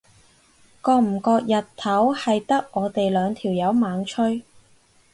覺唔覺日頭係得我哋兩條友猛吹？